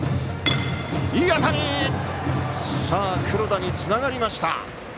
黒田につながりました。